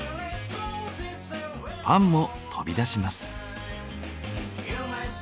パンも飛び出します。